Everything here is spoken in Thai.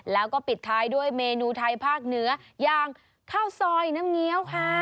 แล้วก็ปิดท้ายด้วยเมนูไทยภาคเหนืออย่างข้าวซอยน้ำเงี้ยวค่ะ